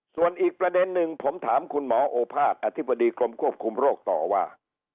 ส่วนอีกประเด็นหนึ่งผมถามคุณหมอโอภาษย์อธิบดีกรมควบคุมโรคต่อว่า